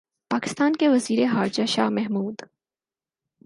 پاکستان کے وزیر خارجہ شاہ محمود